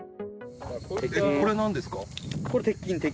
これなんですか？